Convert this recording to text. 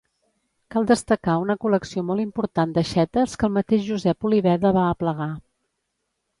Cal destacar una col·lecció molt important d'aixetes que el mateix Josep Oliveda va aplegar.